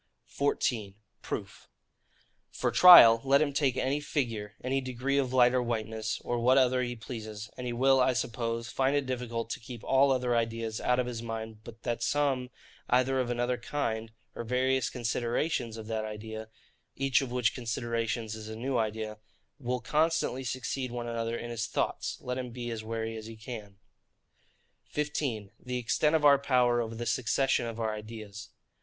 14. Proof. For trial, let him take any figure, any degree of light or whiteness, or what other he pleases, and he will, I suppose, find it difficult to keep all other ideas out of his mind; but that some, either of another kind, or various considerations of that idea, (each of which considerations is a new idea,) will constantly succeed one another in his thoughts, let him be as wary as he can. 15. The extent of our power over the succession of our ideas.